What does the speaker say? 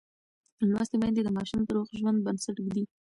لوستې میندې د ماشوم د روغ ژوند بنسټ ږدي.